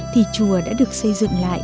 thì chùa đã được xây dựng lại